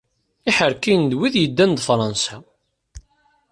Iḥerkiyen d wid yeddan d Fṛansa.